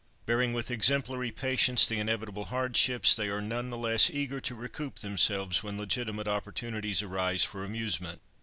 Bearing with exemplary patience the inevitable hardships, they are none the less eager to recoup themselves when legitimate opportunities arise for amusement.